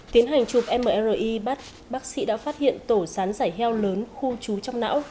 tiến hành chụp mri bắt bác sĩ đã phát hiện tổ sán giải heo lớn khu trú trong não